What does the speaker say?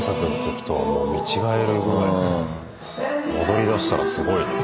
踊りだしたらすごいな。